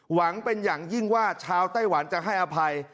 หวังเป็นอย่างยิ่งว่าชาวไต้หวันจะให้อภัย